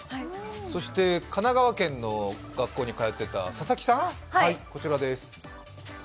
神奈川県の学校に通ってた佐々木さん、こちらです。